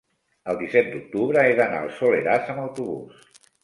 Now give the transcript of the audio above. el disset d'octubre he d'anar al Soleràs amb autobús.